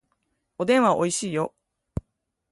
おでんはおいしいよ